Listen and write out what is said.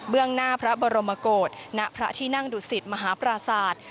หน้าพระบรมโกศณพระที่นั่งดุสิตมหาปราศาสตร์